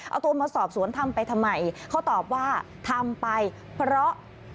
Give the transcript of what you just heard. เอาตัวมาสอบสวนทำไปทำไมเขาตอบว่าทำไปเพราะ